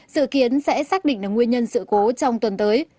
sự kiến sẽ xác định nguyên nhân sự cố trong tuần tới